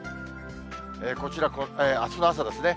こちら、あすの朝ですね。